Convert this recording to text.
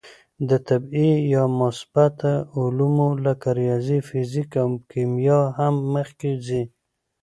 د طبعي یا مثبته علومو لکه ریاضي، فیزیک او کیمیا هم مخکې ځي.